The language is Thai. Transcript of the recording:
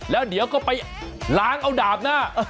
แล้วเดี๋ยวก็ไปล้างเอาดาบหน้า